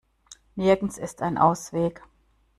Nirgends ist ein Ausweg.